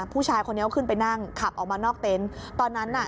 ผู้ชายคนนี้ก็ขึ้นไปนั่งขับออกมานอกเต็นต์ตอนนั้นน่ะ